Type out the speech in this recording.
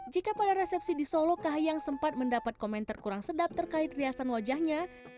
jika pada resepsi di solo kahiyang sempat mendapat komentar kurang sedap terkait riasan wajahnya